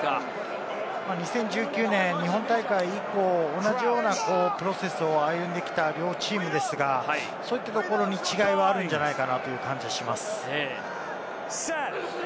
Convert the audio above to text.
２０１９年、日本大会以降、同じようなプロセスを歩んできた両チームですが、そういったところに違いがあるんじゃないかなという感じがします。